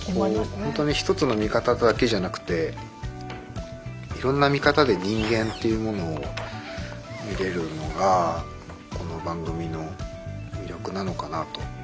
ほんとに一つの見方だけじゃなくていろんな見方で人間っていうものを見れるのがこの番組の魅力なのかなあと。